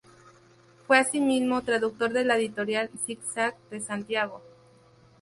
Fue asimismo traductor de la Editorial Zig-Zag de Santiago.